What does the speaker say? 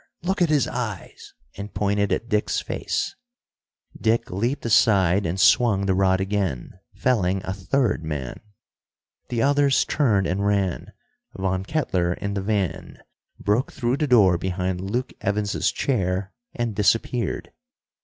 Look at his eyes!" and pointed at Dick's face. Dick leaped aside and swung the rod again, felling a third man. The others turned and ran. Von Kettler in the van, broke through the door behind Luke Evans's chair, and disappeared.